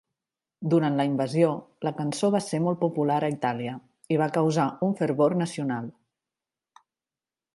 Durant la invasió, la cançó va ser molt popular a Itàlia i va causar un fervor nacional.